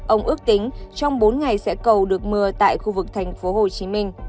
ông ước tính trong bốn ngày sẽ cầu được mưa tại khu vực tp hcm